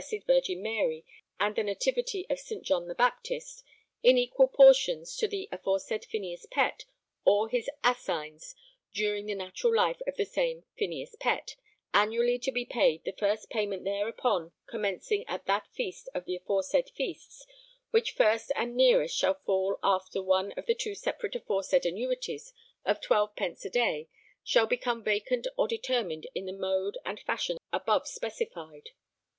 V. Mary and the Nativity of St. John the Baptist in equal portions to the aforesaid Phineas Pett or his assigns during the natural life of the same Phineas Pett annually to be paid the first payment thereupon commencing at that feast of the aforesaid feasts which first and nearest shall fall after one of the two separate aforesaid annuities of twelve pence a day shall become vacant or determined in the mode and fashion above specified.